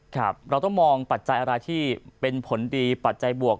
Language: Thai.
ครับเราต้องมองปัจจัยอะไรที่เป็นผลดีปัจจัยบวก